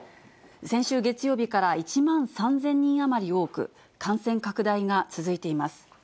先週月曜日から１万３０００人余り多く、感染拡大が続いています。